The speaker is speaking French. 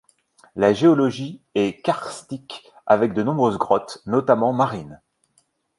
La géologie est karstique avec de nombreuses grottes, notamment marines.